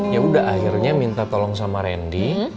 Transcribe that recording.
ya udah akhirnya minta tolong sama randy